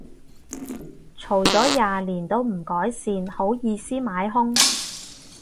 嘈咗廿年都唔改善，好意思買兇